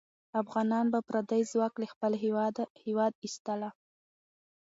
افغانان به پردی ځواک له خپل هېواد ایستله.